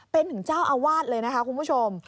เป็นถึงเจ้าอาวาสเลยนะคะคุณผู้ชม